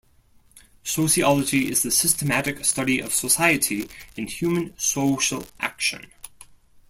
Sociology is the systematic study of society and human social action.